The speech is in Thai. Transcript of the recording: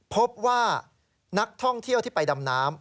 พบว่านักท่องเที่ยวที่ไปดำน้ำ